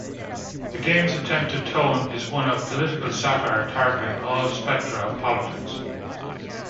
The game's attempted tone is one of political satire, targeting all spectra of politics.